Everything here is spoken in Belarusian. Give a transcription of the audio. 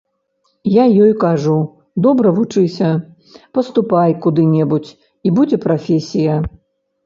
Я ёй кажу, добра вучыся, паступай куды-небудзь, і будзе прафесія.